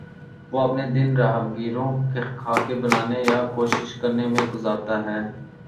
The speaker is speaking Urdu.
وہ اپنے دن راہگیروں کے خاکے بنانے یا کوشش کرنے میں گزارتا ہے